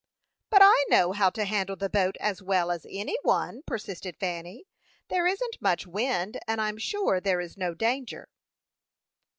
"But I know how to handle the boat as well as any one," persisted Fanny. "There isn't much wind, and I'm sure there is no danger."